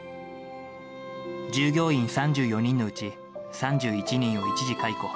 従業員３４人のうち、３１人を一時解雇。